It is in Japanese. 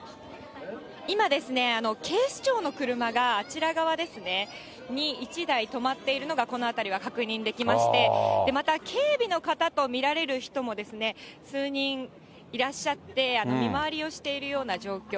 今ですね、警視庁の車が、あちら側ですね、に１台止まっているのがこの辺りは確認できまして、また警備の方と見られる人も、数人いらっしゃって、見回りをしているような状況。